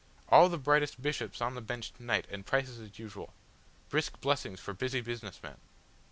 "All the Brightest Bishops on the Bench to night and Prices as Usual." "Brisk Blessings for Busy Business Men."